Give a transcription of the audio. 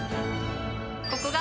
ここが。